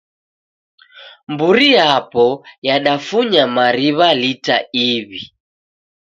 Mburi yapo yadafunya mariw'a lita iw'i.